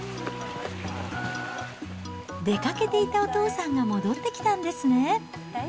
出かけていたお父さんが戻ってきたんですね。